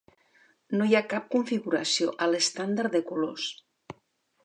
No hi ha cap configuració a l'estàndard de colors.